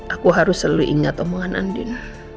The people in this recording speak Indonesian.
aku harus selalu ingat omongan andin